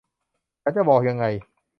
ฉันจะบอกยังไง